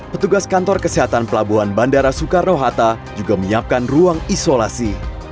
petugas kantor kesehatan pelabuhan bandara soekarno hatta juga menyiapkan ruang isolasi